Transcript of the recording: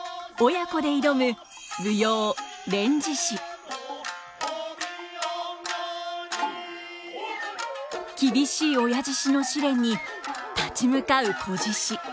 親子で挑む厳しい親獅子の試練に立ち向かう仔獅子。